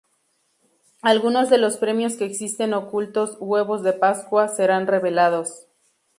Algunos de los premios que existen ocultos "huevos de pascua" serán revelados.